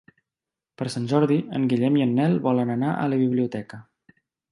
Per Sant Jordi en Guillem i en Nel volen anar a la biblioteca.